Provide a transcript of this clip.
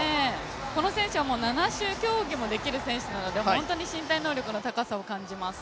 この選手は七種競技もできる選手なので本当に身体能力の高さを感じます。